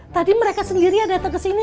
tadi mereka sendiri datang kesini